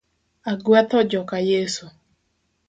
Agwetho joka Yeso.